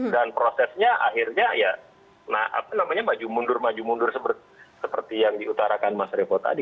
dan prosesnya akhirnya ya maju mundur maju mundur seperti yang diutarakan mas repo tadi